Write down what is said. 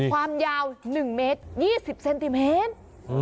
ความยาว๑เมตร๒๐เซนติเมตร